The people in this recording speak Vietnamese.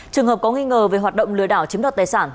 trường hợp có nghi ngờ về hoạt động lừa đảo chiếm đoạt tài sản